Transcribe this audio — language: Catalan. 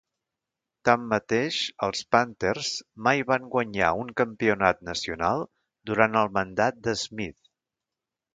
Tanmateix, els Panthers mai van guanyar un campionat nacional durant el mandat de Smith.